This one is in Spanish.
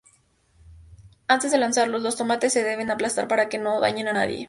Antes de lanzarlos, los tomates se deben aplastar para que no dañen a nadie.